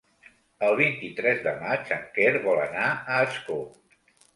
El vint-i-tres de maig en Quer vol anar a Ascó.